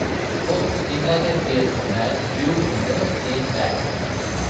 Both Steinlager beers were brewed in the same vat.